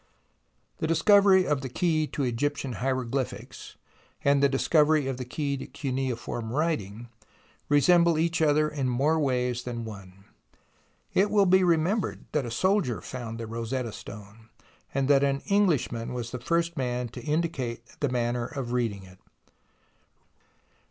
The discovery of the key to Egyptian hiero glyphics, and the discovery of the key to cuneiform writing, resemble each other in more ways than one. It will be remembered that a soldier found the Rosetta Stone, and that an Englishman was the first man to indicate the manner of reading it.